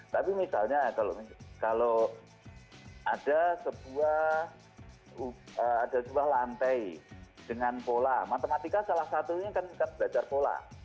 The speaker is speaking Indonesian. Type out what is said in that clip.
tapi misalnya kalau ada sebuah lantai dengan pola matematika salah satunya kan belajar pola